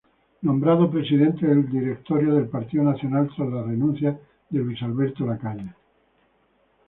Nombrado presidente del Directorio del Partido Nacional tras la renuncia de Luis Alberto Lacalle.